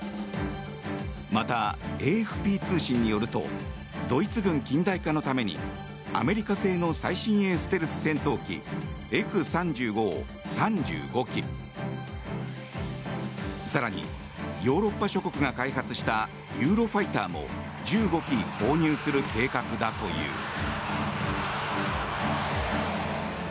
また、ＡＦＰ通信によるとドイツ軍近代化のためにアメリカ製の最新鋭ステルス戦闘機Ｆ３５を３５機更にヨーロッパ諸国が開発したユーロファイターも１５機購入する計画だという。